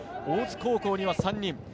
大津高校には３人。